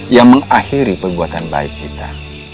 yang mengakhiri perbuatan baik kita